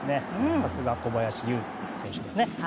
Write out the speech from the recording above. さすが小林悠選手ですね。